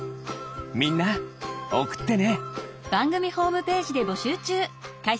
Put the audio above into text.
みんなおくってね！